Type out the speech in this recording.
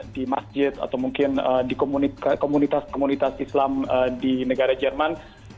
di masjid atau mungkin di komunitas komunitas islam di negara jerman